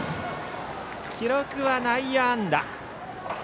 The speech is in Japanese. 記録は内野安打。